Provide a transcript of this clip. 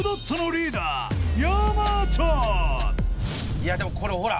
いやでもこれほら。